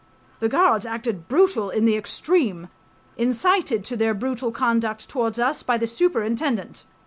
The guards acted brutal in the extreme, incited to their brutal conduct towards us, .., by the superintendent.